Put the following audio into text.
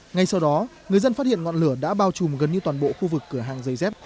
ngay sau đó người dân phát hiện ngọn lửa đã bao trùm gần như toàn bộ khu vực cửa hàng dây dép